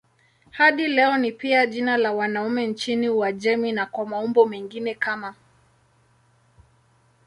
Hadi leo ni pia jina la wanaume nchini Uajemi na kwa maumbo mengine kama